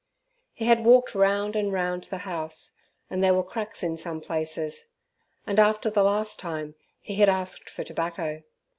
He had walked round and round the house, and there were cracks in some places, and after the last time he had asked for tobacco.